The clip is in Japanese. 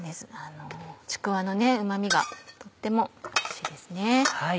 ちくわのうま味がとてもおいしいですね。